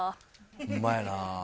ホンマやな。